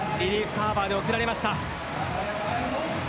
サーバーで送られました。